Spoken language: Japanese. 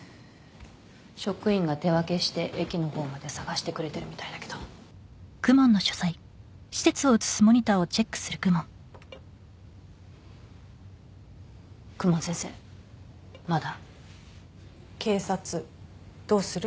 職員が手分けして駅のほうまで捜してくれてるみたいだけど公文先生まだ警察どうする？